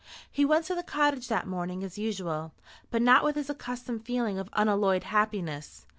He went to the cottage that morning as usual, but not with his accustomed feeling of unalloyed happiness.